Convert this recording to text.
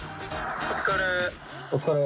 お疲れ。